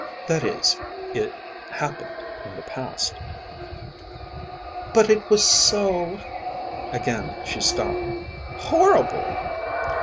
That is, it happened in the past." "But it was so " Again she stopped. " horrible!"